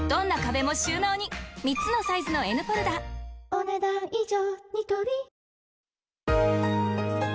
お、ねだん以上。